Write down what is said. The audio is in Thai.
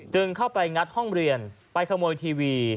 เข้าไปงัดห้องเรียนไปขโมยทีวี